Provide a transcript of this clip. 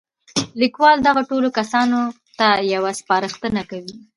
ليکوال دغو ټولو کسانو ته يوه سپارښتنه کوي.